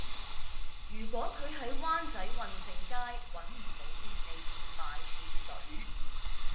如果佢喺灣仔運盛街搵唔到便利店買汽水